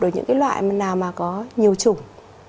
để những cái loại nào mà có nhiều chủng